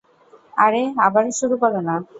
আরে, আবারো শুরু করো না।